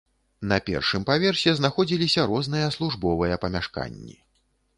На першым паверсе знаходзіліся розныя службовыя памяшканні.